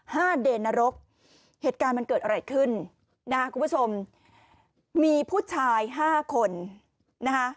ห้าเดนนรกเหตุการณ์มันเกิดอะไรขึ้นนะฮะคุณผู้ชมมีผู้ชายห้าคนนะคะ